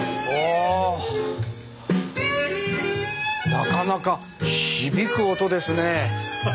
なかなか響く音ですね。